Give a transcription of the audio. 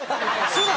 すな！